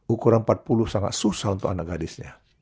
ukuran empat puluh sangat susah untuk anak gadisnya